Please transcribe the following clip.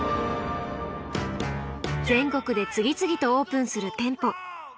全国で次々とオープンする店舗。